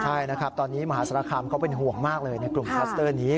ใช่นะครับตอนนี้มหาศาลคามเขาเป็นห่วงมากเลยในกลุ่มคลัสเตอร์นี้